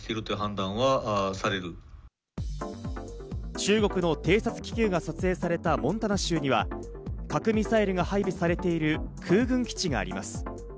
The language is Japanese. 中国の偵察気球が撮影されたモンタナ州には核ミサイルが配備されている空軍基地があります。